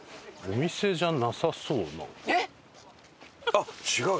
あっ違う！